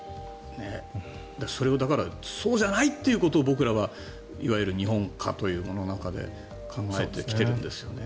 それをだからそうじゃないということを僕らはいわゆる日本という中で考えてきているんですよね。